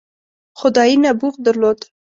خدايي نبوغ درلود.